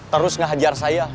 terus ngehajar saya